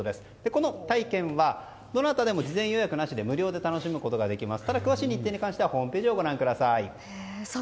この体験はどなたでも事前予約なしで無料で楽しむことができます。